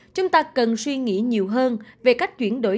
chúng ta cần suy nghĩ nhiều hơn về cách chuyển đổi